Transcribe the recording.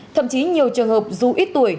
thậm chí nhiều trường hợp dù ít tuổi